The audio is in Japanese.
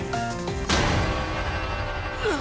あっ！？